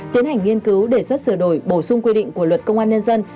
tiến hành nghiên cứu đề xuất sửa đổi bổ sung quy định của luật công an nhân dân